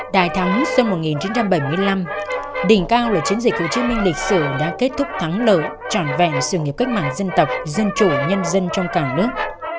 đại thắng sơ một nghìn chín trăm bảy mươi năm đỉnh cao lực chiến dịch hữu trương minh lịch sử đã kết thúc thắng lợi tròn vẹn sự nghiệp cách mạng dân tộc dân chủ nhân dân trong cả nước